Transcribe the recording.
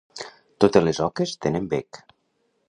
Totes les oques tenen bec.